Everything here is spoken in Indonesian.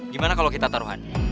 gimana kalau kita taruhan